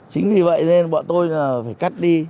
chính vì vậy nên bọn tôi phải cắt đi